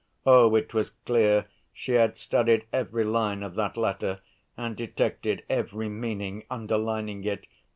Oh! it was clear she had studied every line of that letter and detected every meaning underlining it.